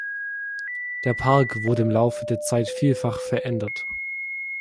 Der Park wurde im Laufe der Zeit vielfach verändert.